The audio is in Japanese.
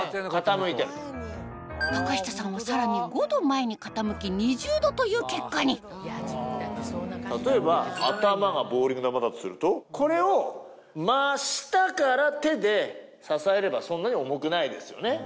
高下さんはさらに５度前に傾き２０度という結果に例えば頭がボウリングの球だとするとこれを真下から手で支えればそんなに重くないですよね。